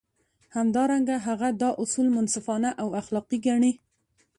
همدارنګه هغه دا اصول منصفانه او اخلاقي ګڼي.